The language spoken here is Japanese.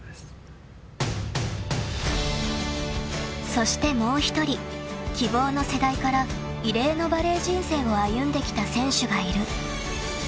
［そしてもう１人希望の世代から異例のバレー人生を歩んできた選手がいる］